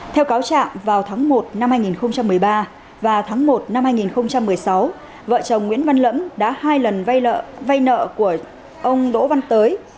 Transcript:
theo cáo trạng vào tháng một năm hai nghìn một mươi ba và tháng một năm hai nghìn một mươi sáu vợ chồng nguyễn văn lẫm đã hai lần vay nợ vay nợ của ông đỗ văn tới